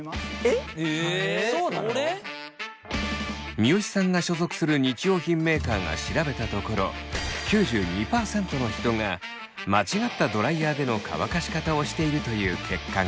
三好さんが所属する日用品メーカーが調べたところ９２％の人が間違ったドライヤーでの乾かし方をしているという結果が。